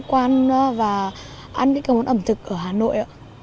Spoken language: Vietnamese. con ăn và ăn những món ẩm thực ở hà nội